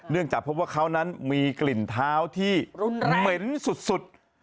จากพบว่าเขานั้นมีกลิ่นเท้าที่เหม็นสุด